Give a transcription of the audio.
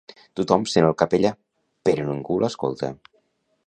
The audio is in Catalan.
Tothom sent el capellà, però ningú l'escolta.